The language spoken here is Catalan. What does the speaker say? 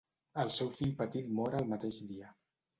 El seu fill petit mor el mateix dia.